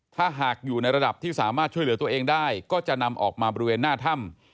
ถ้าหากอยู่ในระดับที่สามารถช่วยเหลือตัวเองได้ก็จะนำออกมาบริเวณหน้าถ้ำ